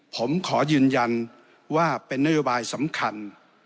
ผมขอยืนยันว่าเป็นนโยบายสำคัญ